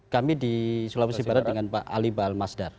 kami di sulawesi barat dengan pak ali baal masdar